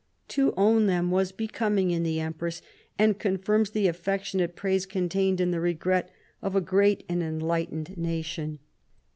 To own them was becoming in the Em press, and confirms the affectionate praise contained in the regret of a great and enlightened nation.